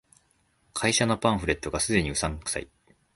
会社のパンフレットが既にうさんくさい